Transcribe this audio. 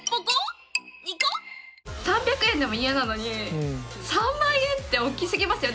３００円でもイヤなのに３万円って大きすぎますよ。